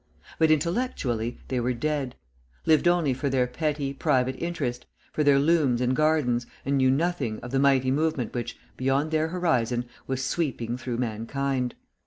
But intellectually, they were dead; lived only for their petty, private interest, for their looms and gardens, and knew nothing of the mighty movement which, beyond their horizon, was sweeping through mankind.